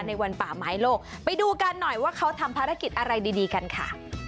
ในวันป่าไม้โลกไปดูกันหน่อยว่าเขาทำภารกิจอะไรดีกันค่ะ